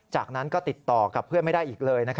จากนั้นก็ติดต่อกับเพื่อนไม่ได้อีกเลย